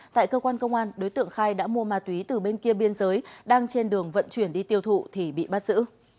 tại cơ quan công an đối tượng khai đã mua ma túy từ bên kia biên giới đang trên đường vận chuyển đi tiêu thụ thì bị bắt giữ